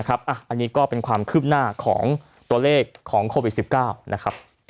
อันนี้ก็เป็นความคืบหน้าของตัวเลขของโควิด๑๙นะครับ